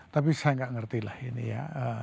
tapi saya nggak ngerti lah ini ya